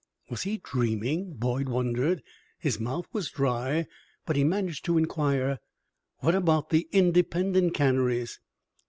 Was he dreaming? Boyd wondered. His mouth was dry, but he managed to inquire: "What about the independent canneries?"